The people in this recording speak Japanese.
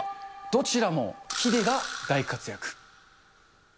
どちらもヒデが大活躍。